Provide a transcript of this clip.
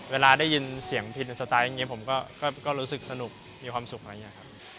เวลาได้ยินเสียงพินในสไตล์อย่างนี้ผมก็รู้สึกสนุกมีความสุขอะไรอย่างนี้ครับ